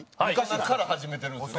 今から始めてるんですよね。